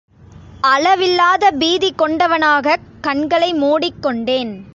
அளவில்லாத பீதி கொண்டவனாகக் கண்களை மூடிக் கொண்டேன்.